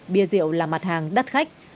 bia rượu là mặt hàng đắt khách